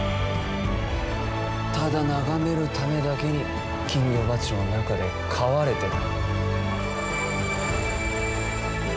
ただ眺めるためだけに金魚鉢の中で飼われている。